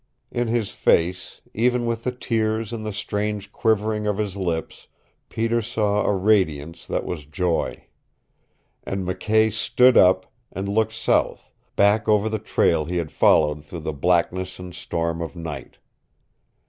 In his face, even with the tears and the strange quivering of his lips, Peter saw a radiance that was joy. And McKay stood up, and looked south, back over the trail he had followed through the blackness and storm of night.